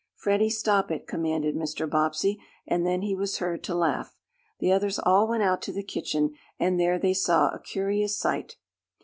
"Freddie, stop it!" commanded Mr. Bobbsey, and then he was heard to laugh. The others all went out to the kitchen and there they saw a curious sight.